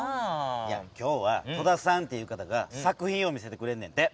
今日は戸田さんという方が作品を見せてくれんねんて。